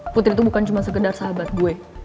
putri tuh bukan cuma segedar sahabat gue